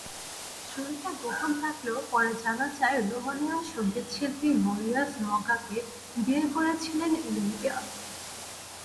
শুরুতে গোপন থাকলেও পরে জানা যায়, রোমানিয়ান সংগীতশিল্পী মরিয়াস মগাকে বিয়ে করেছিলেন ইলুলিয়া।